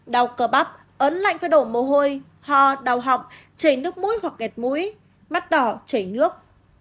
đau cơ bắp ấn lạnh với đổ mồ hôi ho đau họng chảy nước mũi hoặc gẹt mũi mắt đỏ chảy nước